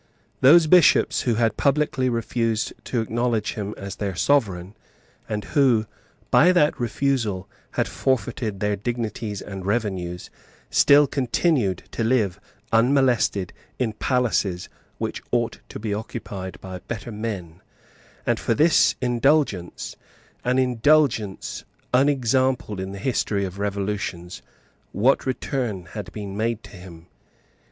Those Bishops who had publicly refused to acknowledge him as their Sovereign, and who, by that refusal, had forfeited their dignities and revenues, still continued to live unmolested in palaces which ought to be occupied by better men: and for this indulgence, an indulgence unexampled in the history of revolutions, what return had been made to him?